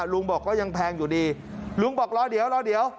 ลุงบอกก็ยังแพงอยู่ดีลุงบอกรอเดี๋ยวรอเดี๋ยว